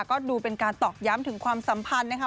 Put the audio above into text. ก็ดูเป็นการตอกย้ำถึงความสัมพันธ์นะคะ